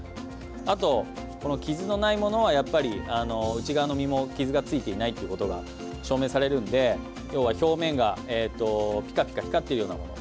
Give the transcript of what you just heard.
あと、傷のないものは内側の身も傷がついていないということが証明されるんで要は表面がピカピカ光っているようなもの。